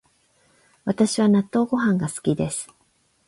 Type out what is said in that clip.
私は納豆ご飯が好きです